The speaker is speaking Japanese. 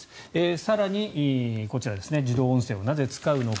更に、こちら自動音声をなぜ使うのか。